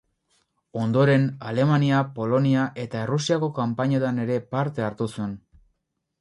Ondoren, Alemania, Polonia eta Errusiako kanpainetan ere parte hartu zuen.